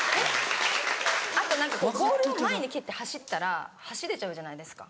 あと何かこうボールを前に蹴って走ったら走れちゃうじゃないですか